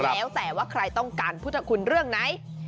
แล้วแต่ว่าใครต้องการพุทธคุณเรื่องไหน